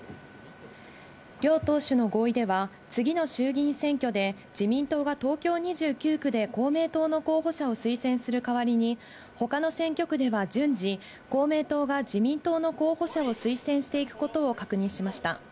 両党首の合意では、次の衆議院選挙で自民党が東京２９区で公明党の候補者を推薦する代わりに、ほかの選挙区では順次、公明党が自民党の候補者を推薦していくことを確認しました。